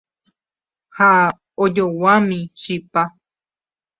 ha ajoguámi chipa